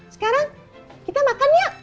sekarang kita makan ya